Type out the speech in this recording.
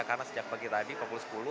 karena sejak pagi tadi pukul sepuluh